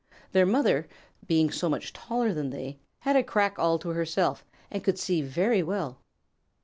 Their mother, being so much taller than they, had a crack all to herself and could see very well.